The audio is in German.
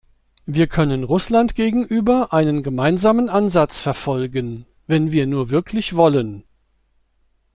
Wir können Russland gegenüber einen gemeinsamen Ansatz verfolgen, wenn wir nur wirklich wollen.